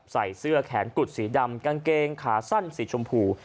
ใส่เสื้อแขนกุดสีดำกางเกงขาสั้นสีชมพู